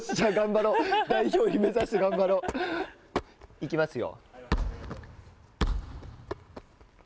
いきますよ。